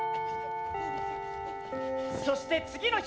そして次の日。